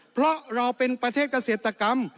เพราะเราเป็นประเทศเกษตรกรรม